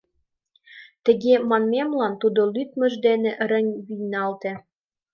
Тыге манмемлан тудо лӱдмыж дене рыҥ вийналте...